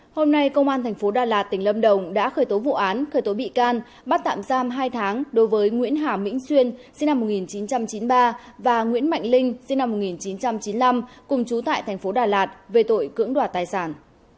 hôm nay công an thành phố đà lạt tỉnh lâm đồng đã khởi tố vụ án khởi tố bị can bắt tạm giam hai tháng đối với nguyễn hà mỹ xuyên sinh năm một nghìn chín trăm chín mươi ba và nguyễn mạnh linh sinh năm một nghìn chín trăm chín mươi năm cùng chú tại thành phố đà lạt về tội cưỡng đoạt tài sản